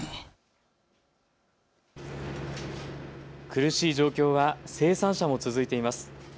苦しい状況は生産者も続いています。